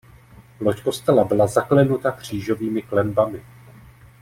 Loď kostela byla zaklenuta křížovými klenbami.